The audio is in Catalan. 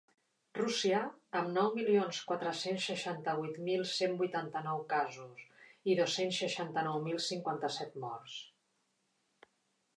Rússia, amb nou milions quatre-cents seixanta-vuit mil cent vuitanta-nou casos i dos-cents seixanta-nou mil cinquanta-set morts.